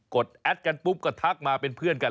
ดแอดกันปุ๊บก็ทักมาเป็นเพื่อนกัน